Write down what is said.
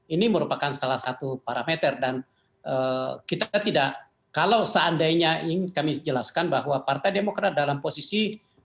ini merupakan salah satu parameter dan kita tidak kalau seandainya ingin kami jelaskan bahwa partai demokrat dalam posisi